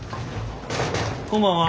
こんばんは。